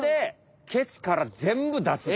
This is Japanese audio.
けつから全部出す。